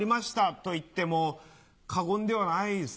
と言っても過言ではないですよ